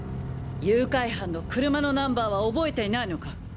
誘拐犯の車のナンバーは覚えていないのか？